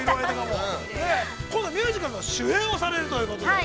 今度はミュージカルの主演をされるということで。